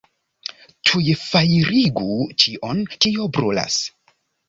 Tuj fajrigu ĉion, kio brulas!